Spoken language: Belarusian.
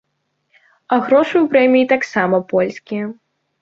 А грошы ў прэміі таксама польскія.